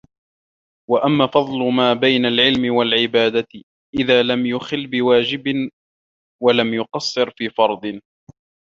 وَأَمَّا فَضْلُ مَا بَيْنَ الْعِلْمِ وَالْعِبَادَةِ إذَا لَمْ يُخِلَّ بِوَاجِبٍ وَلَمْ يُقَصِّرْ فِي فَرْضٍ